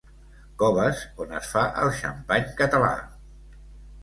Coves on es fa el xampany català.